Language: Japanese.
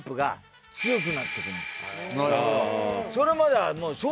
なるほど。